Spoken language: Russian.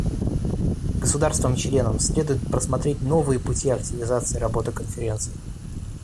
Государствам-членам следует посмотреть новые пути активизации работы Конференции.